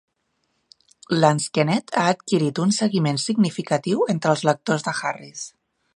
Lansquenet ha adquirit un seguiment significatiu entre els lectors de Harris.